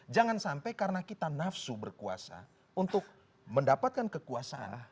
jangan sampai karena kita nafsu berkuasa untuk mendapatkan kekuasaan